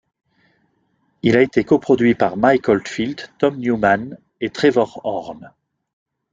Il a été coproduit par Mike Oldfield, Tom Newman et Trevor Horn.